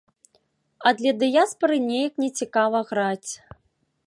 А для дыяспары неяк нецікава граць.